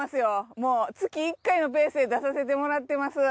もう月１回のペースで出させてもらってます。